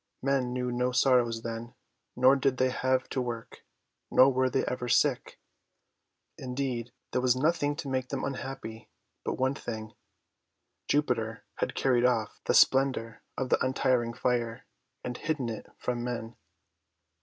Men knew no sorrows then, nor did they have to work, nor were they ever sick. Indeed, there was nothing to make them unhappy but one thing — Jupiter had carried off the splendour of the untiring Fire, and hidden it from men.